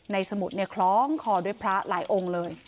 สมุดเนี่ยคล้องคอด้วยพระหลายองค์เลย